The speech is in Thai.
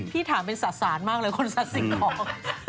พี่ถามเป็นศาสานมากเลยคือคนสัตว์สิ่งของ